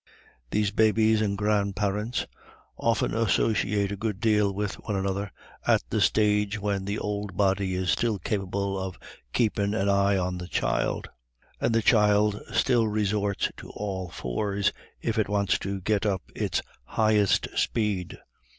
These babies and grandparents often associate a good deal with one another at the stage when the old body is still capable of "keepin' an eye on the child," and the child still resorts to all fours if it wants to get up its highest speed.